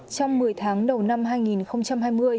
trong một mươi tháng đầu năm hai nghìn hai mươi